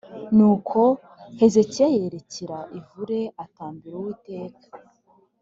nuko hezekiya yerekera ivure atakambira uwiteka